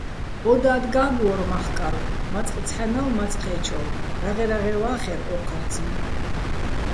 ო დად გა́გვო́რ მახკარვ, მაწყ ცჰ̦ანავ, მაწყ ჴე́ჩოვ, რაღე-რაღე ვა́ხერ ო́ჴარციჼ.